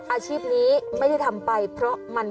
เบื้องต้น๑๕๐๐๐และยังต้องมีค่าสับประโลยีอีกนะครับ